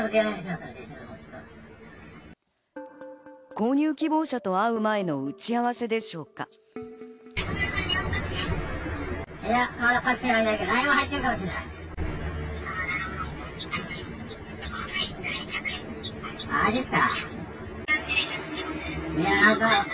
購入希望者と会う前の打ち合わせでしょうか。